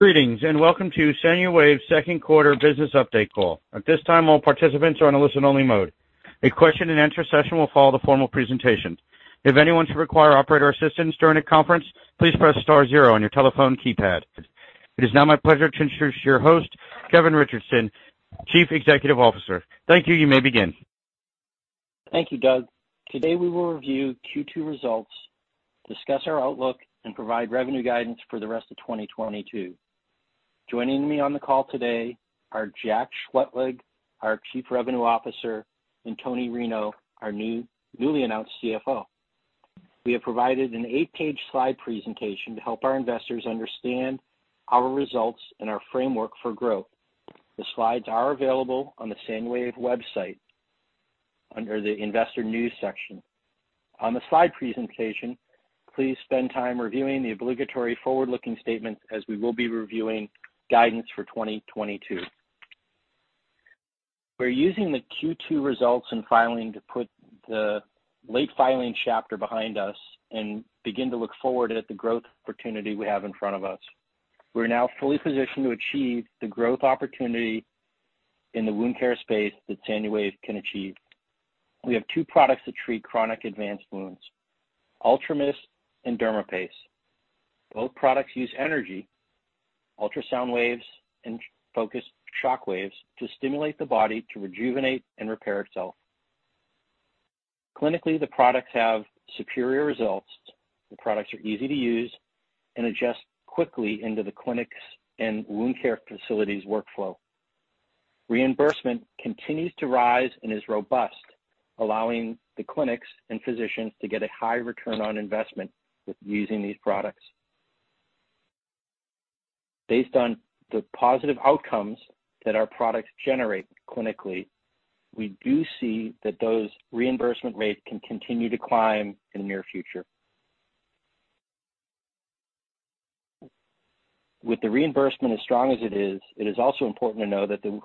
Greetings, and welcome to Sanuwave's Q2 Business Update Call. At this time, all participants are on a listen-only mode. A question and answer session will follow the formal presentation. If anyone should require operator assistance during the conference, please press star zero on your telephone keypad. It is now my pleasure to introduce your host, Kevin Richardson, Chief Executive Officer. Thank you. You may begin. Thank you, Doug. Today, we will review Q2 results, discuss our outlook, and provide revenue guidance for the rest of 2022. Joining me on the call today are Jack Heil, our Chief Revenue Officer, and Toni Rinow, our newly announced CFO. We have provided an eight-page slide presentation to help our investors understand our results and our framework for growth. The slides are available on the Sanuwave website under the Investor News section. On the slide presentation, please spend time reviewing the obligatory forward-looking statement, as we will be reviewing guidance for 2022. We're using the Q2 results and filing to put the late filing chapter behind us and begin to look forward at the growth opportunity we have in front of us. We're now fully positioned to achieve the growth opportunity in the wound care space that Sanuwave can achieve. We have two products that treat chronic advanced wounds, UltraMIST and dermaPACE. Both products use energy, ultrasound waves and focused shockwaves, to stimulate the body to rejuvenate and repair itself. Clinically, the products have superior results. The products are easy to use and adjust quickly into the clinic's and wound care facilities' workflow. Reimbursement continues to rise and is robust, allowing the clinics and physicians to get a high return on investment with using these products. Based on the positive outcomes that our products generate clinically, we do see that those reimbursement rates can continue to climb in the near future. With the reimbursement as strong as it is, it is also important to know that the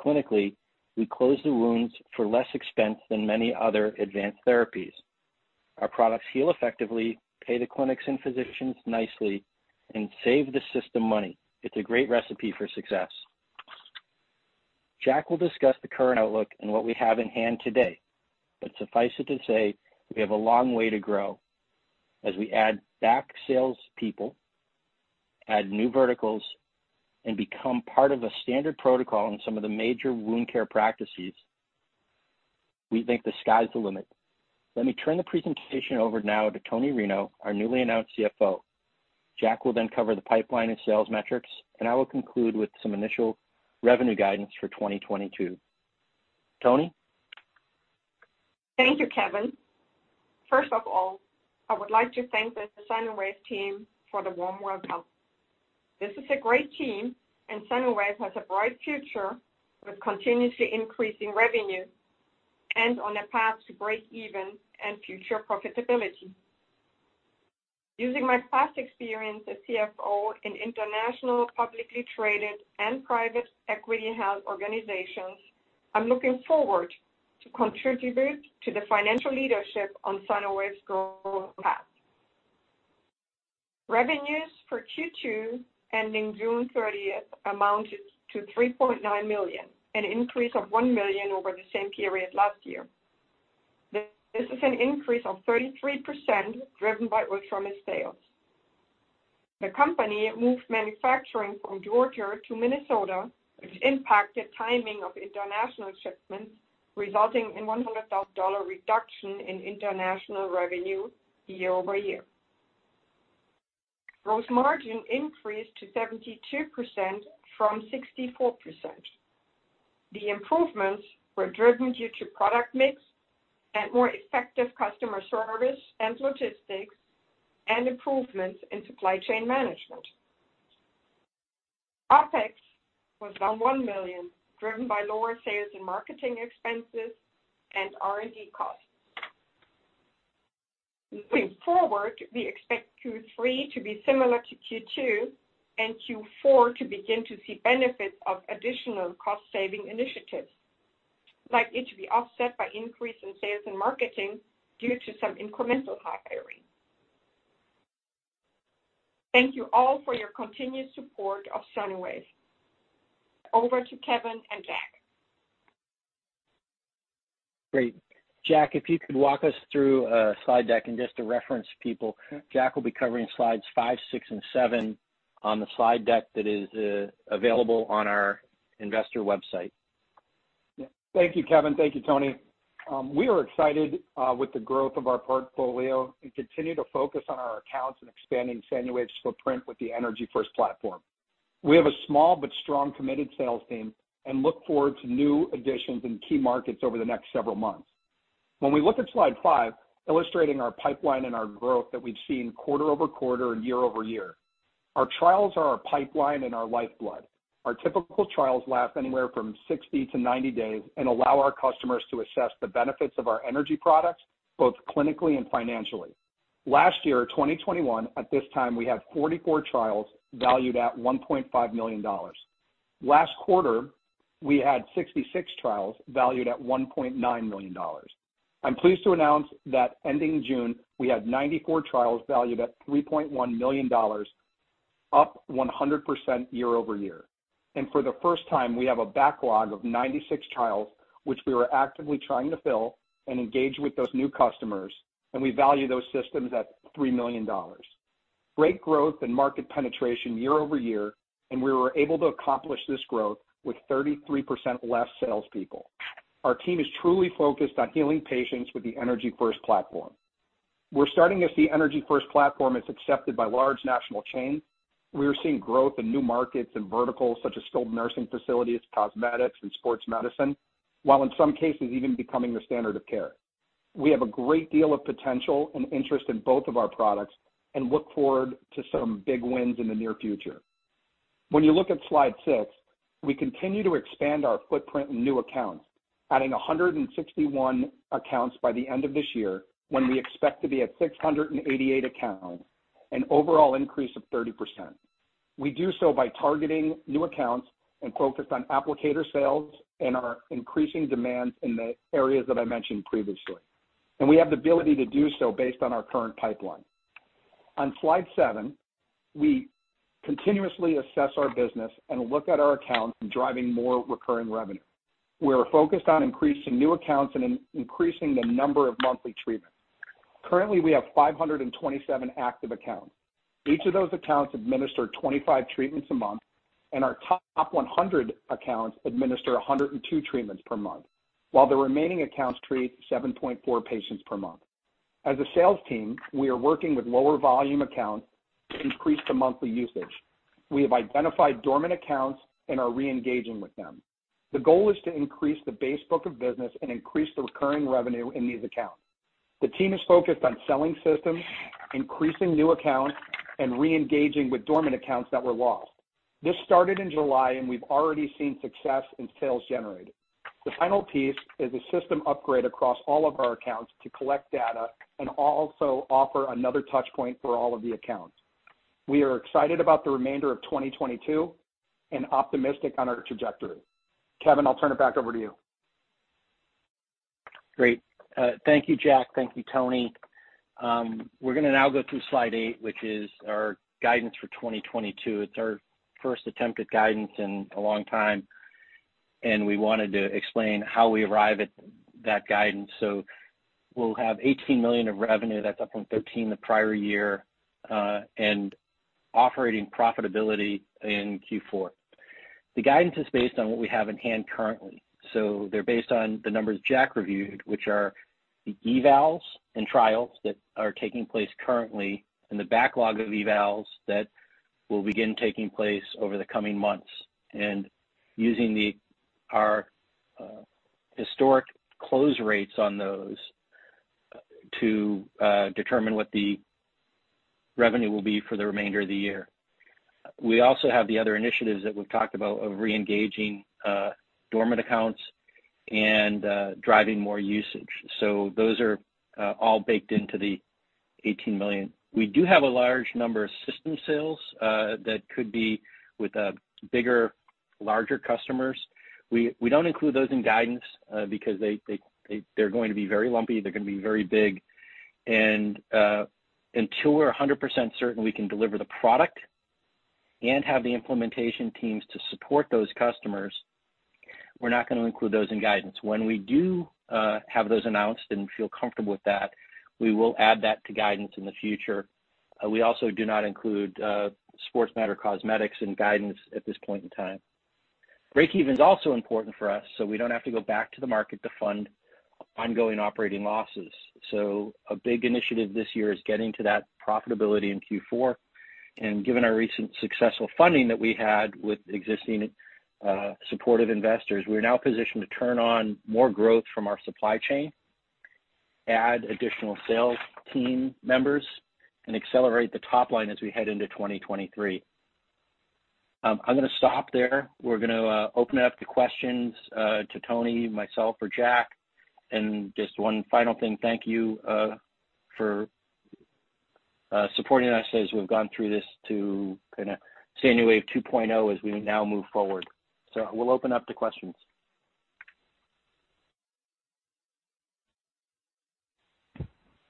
clinically, we close the wounds for less expense than many other advanced therapies. Our products heal effectively, pay the clinics and physicians nicely, and save the system money. It's a great recipe for success. Jack will discuss the current outlook and what we have in hand today. Suffice it to say, we have a long way to grow as we add back salespeople, add new verticals, and become part of a standard protocol in some of the major wound care practices. We think the sky's the limit. Let me turn the presentation over now to Toni Rinow, our newly announced CFO. Jack will then cover the pipeline and sales metrics, and I will conclude with some initial revenue guidance for 2022. Toni. Thank you, Kevin. First of all, I would like to thank the Sanuwave team for the warm welcome. This is a great team, and Sanuwave has a bright future with continuously increasing revenue and on a path to break even and future profitability. Using my past experience as CFO in international, publicly traded, and private equity health organizations, I'm looking forward to contribute to the financial leadership on Sanuwave's growth path. Revenues for Q2, ending June 30th, amounted to $3.9 million, an increase of $1 million over the same period last year. This is an increase of 33% driven by UltraMIST sales. The company moved manufacturing from Georgia to Minnesota, which impacted timing of international shipments, resulting in $100,000 reduction in international revenue year-over-year. Gross margin increased to 72% from 64%. The improvements were driven due to product mix and more effective customer service and logistics and improvements in supply chain management. OpEx was down $1 million, driven by lower sales and marketing expenses and R&D costs. Looking forward, we expect Q3 to be similar to Q2 and Q4 to begin to see benefits of additional cost-saving initiatives, likely to be offset by increase in sales and marketing due to some incremental hiring. Thank you all for your continued support of Sanuwave. Over to Kevin and Jack. Great. Jack, if you could walk us through slide deck and just to reference people. Sure. Jack will be covering slides five, six, and seven on the slide deck that is available on our investor website. Yeah. Thank you, Kevin. Thank you, Toni. We are excited with the growth of our portfolio and continue to focus on our accounts and expanding Sanuwave's footprint with the Energy First platform. We have a small but strong committed sales team and look forward to new additions in key markets over the next several months. When we look at slide five, illustrating our pipeline and our growth that we've seen quarter-over-quarter and year-over-year. Our trials are our pipeline and our lifeblood. Our typical trials last anywhere from 60-90 days and allow our customers to assess the benefits of our energy products, both clinically and financially. Last year, 2021, at this time, we had 44 trials valued at $1.5 million. Last quarter, we had 66 trials valued at $1.9 million. I'm pleased to announce that ending June, we had 94 trials valued at $3.1 million, up 100% year-over-year. For the first time, we have a backlog of 96 trials, which we are actively trying to fill and engage with those new customers, and we value those systems at $3 million. Great growth and market penetration year-over-year, and we were able to accomplish this growth with 33% less salespeople. Our team is truly focused on healing patients with the Energy First platform. We're starting as the Energy First platform is accepted by large national chains. We are seeing growth in new markets and verticals such as skilled nursing facilities, cosmetics, and sports medicine, while in some cases even becoming the standard of care. We have a great deal of potential and interest in both of our products and look forward to some big wins in the near future. When you look at slide six, we continue to expand our footprint in new accounts, adding 161 accounts by the end of this year, when we expect to be at 688 accounts, an overall increase of 30%. We do so by targeting new accounts and focused on applicator sales and our increasing demand in the areas that I mentioned previously. We have the ability to do so based on our current pipeline. On slide seven, we continuously assess our business and look at our accounts in driving more recurring revenue. We are focused on increasing new accounts and increasing the number of monthly treatments. Currently, we have 527 active accounts. Each of those accounts administer 25 treatments a month, and our top 100 accounts administer 102 treatments per month, while the remaining accounts treat 7.4 patients per month. As a sales team, we are working with lower volume accounts to increase the monthly usage. We have identified dormant accounts and are reengaging with them. The goal is to increase the base book of business and increase the recurring revenue in these accounts. The team is focused on selling systems, increasing new accounts, and reengaging with dormant accounts that were lost. This started in July, and we've already seen success in sales generated. The final piece is a system upgrade across all of our accounts to collect data and also offer another touch point for all of the accounts. We are excited about the remainder of 2022 and optimistic on our trajectory. Kevin, I'll turn it back over to you. Great. Thank you, Jack. Thank you, Toni. We're gonna now go through slide eight, which is our guidance for 2022. It's our first attempt at guidance in a long time, and we wanted to explain how we arrive at that guidance. We'll have $18 million of revenue, that's up from $13 million the prior year, and operating profitability in Q4. The guidance is based on what we have in hand currently. They're based on the numbers Jack reviewed, which are the evals and trials that are taking place currently and the backlog of evals that will begin taking place over the coming months, and using our historic close rates on those, to determine what the revenue will be for the remainder of the year. We also have the other initiatives that we've talked about of re-engaging dormant accounts and driving more usage. Those are all baked into the $18 million. We do have a large number of system sales that could be with bigger, larger customers. We don't include those in guidance because they're going to be very lumpy, they're gonna be very big. Until we're 100% certain we can deliver the product and have the implementation teams to support those customers, we're not gonna include those in guidance. When we do have those announced and feel comfortable with that, we will add that to guidance in the future. We also do not include sports med or cosmetics in guidance at this point in time. Breakeven's also important for us, so we don't have to go back to the market to fund ongoing operating losses. A big initiative this year is getting to that profitability in Q4. Given our recent successful funding that we had with existing, supportive investors, we're now positioned to turn on more growth from our supply chain, add additional sales team members, and accelerate the top line as we head into 2023. I'm gonna stop there. We're gonna open it up to questions to Tony, myself, or Jack. Just one final thing, thank you for supporting us as we've gone through this to kinda Sanuwave 2.0 as we now move forward. We'll open up to questions.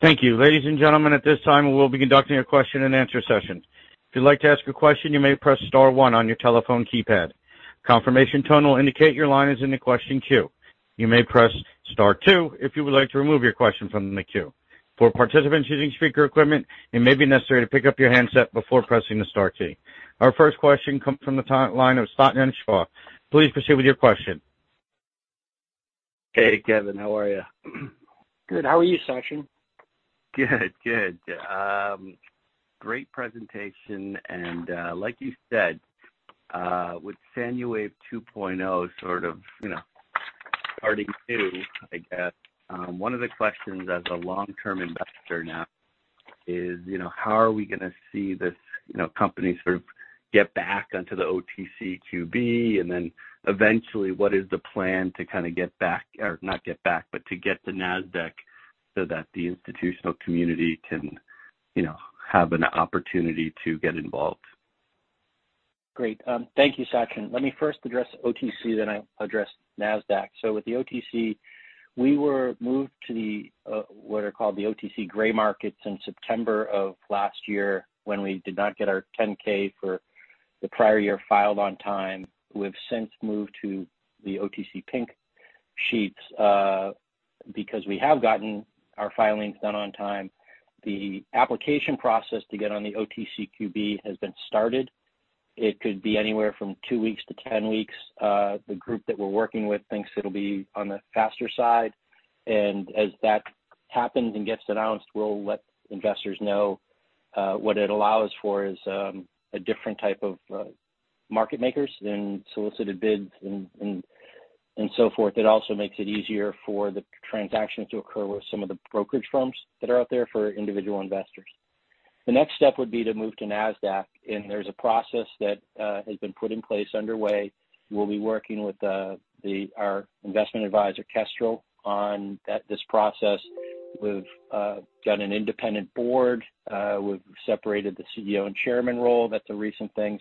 Thank you. Ladies and gentlemen, at this time, we'll be conducting a question and answer session. If you'd like to ask a question, you may press star one on your telephone keypad. Confirmation tone will indicate your line is in the question queue. You may press star two if you would like to remove your question from the queue. For participants using speaker equipment, it may be necessary to pick up your handset before pressing the star key. Our first question comes from the line of Sachin Shah. Please proceed with your question. Hey, Kevin. How are you? Good. How are you, Sachin? Good. Great presentation, like you said, with Sanuwave 2.0 sort of starting to, I guess, one of the questions as a long-term investor now is, you know, how are we gonna see this company sort of get back onto the OTCQB, and then eventually, what is the plan to kinda get back or not get back, but to get to Nasdaq so that the institutional community can, you know, have an opportunity to get involved. Great. Thank you, Sachin. Let me first address OTC, then I'll address Nasdaq. With the OTC, we were moved to the what are called the OTC gray markets in September of last year when we did not get our 10-K for the prior year filed on time. We have since moved to the OTC Pink Sheets because we have gotten our filings done on time. The application process to get on the OTCQB has been started. It could be anywhere from two weeks to 10 weeks. The group that we're working with thinks it'll be on the faster side. As that happens and gets announced, we'll let investors know. What it allows for is a different type of market makers and solicited bids and so forth. It also makes it easier for the transactions to occur with some of the brokerage firms that are out there for individual investors. The next step would be to move to Nasdaq, and there's a process that has been put in place underway. We'll be working with our investment advisor, Kestrel, on this process. We've got an independent board. We've separated the CEO and chairman role. That's a recent thing.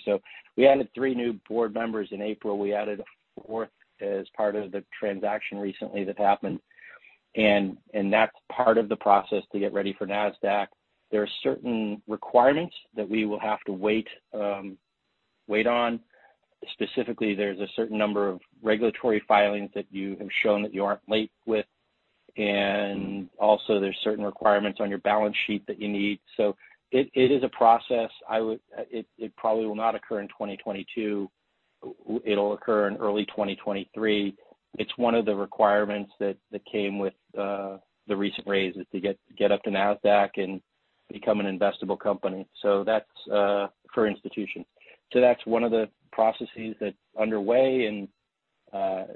We added three new board members in April. We added a fourth as part of the transaction recently that happened. That's part of the process to get ready for Nasdaq. There are certain requirements that we will have to wait on. Specifically, there's a certain number of regulatory filings that you have shown that you aren't late with. Also there's certain requirements on your balance sheet that you need. It is a process. It probably will not occur in 2022. It'll occur in early 2023. It's one of the requirements that came with the recent raise is to get up to Nasdaq and become an investable company. That's for institutions. That's one of the processes that's underway.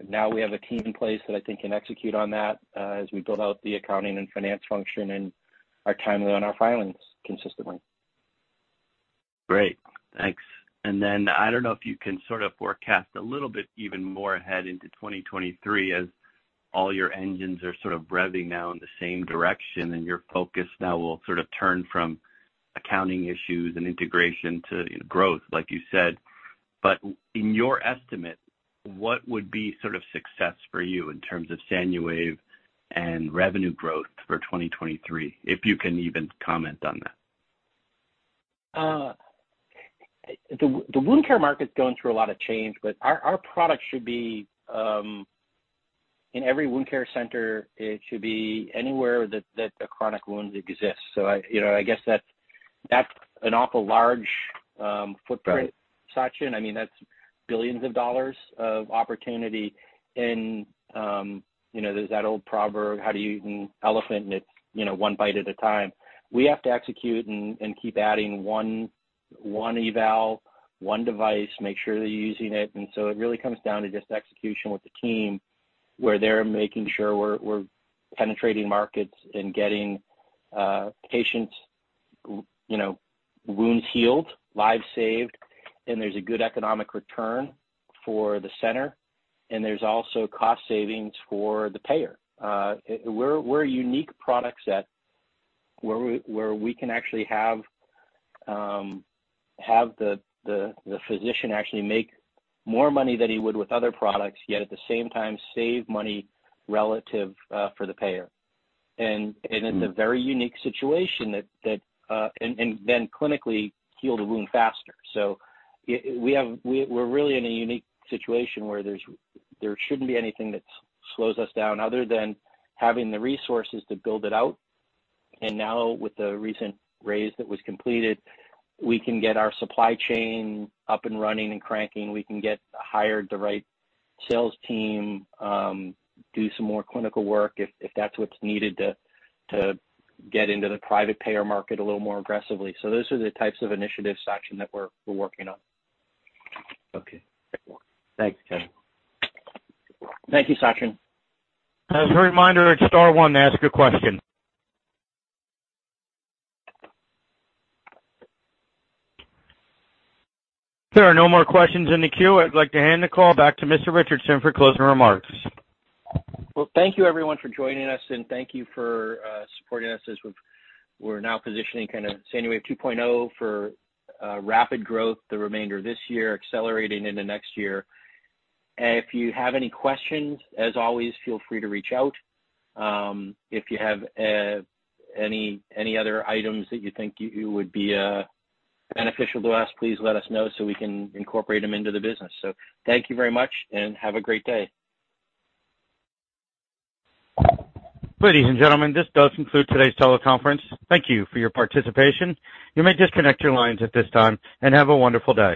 Now we have a team in place that I think can execute on that as we build out the accounting and finance function and are timely on our filings consistently. Great. Thanks. Then I don't know if you can sort of forecast a little bit even more ahead into 2023 as all your engines are sort of revving now in the same direction, and your focus now will sort of turn from accounting issues and integration to growth, like you said. In your estimate, what would be sort of success for you in terms of Sanuwave and revenue growth for 2023, if you can even comment on that? The wound care market's going through a lot of change, but our products should be in every wound care center. It should be anywhere that a chronic wound exists. I, you know, I guess that's an awful large footprint. Right. Sachin. I mean, that's billions of dollars of opportunity. You know, there's that old proverb, how do you eat an elephant? It's you know, one bite at a time. We have to execute and keep adding one eval, one device, make sure they're using it. It really comes down to just execution with the team, where they're making sure we're penetrating markets and getting patients, you know, wounds healed, lives saved, and there's a good economic return for the center, and there's also cost savings for the payer. We're a unique product set where we can actually have the physician actually make more money than he would with other products, yet at the same time save money relative for the payer. It's a very unique situation that clinically heal the wound faster. We have. We're really in a unique situation where there shouldn't be anything that slows us down other than having the resources to build it out. Now with the recent raise that was completed, we can get our supply chain up and running and cranking. We can hire the right sales team, do some more clinical work if that's what's needed to get into the private payer market a little more aggressively. Those are the types of initiatives, Sachin, that we're working on. Okay. Thanks, Kevin. Thank you, Sachin. As a reminder, it's star one to ask a question. There are no more questions in the queue. I'd like to hand the call back to Mr. Richardson for closing remarks. Well, thank you everyone for joining us, and thank you for supporting us as we're now positioning kinda Sanuwave 2.0 for rapid growth the remainder of this year, accelerating into next year. If you have any questions, as always, feel free to reach out. If you have any other items that you think you would be beneficial to ask, please let us know so we can incorporate them into the business. Thank you very much, and have a great day. Ladies and gentlemen, this does conclude today's teleconference. Thank you for your participation. You may disconnect your lines at this time, and have a wonderful day.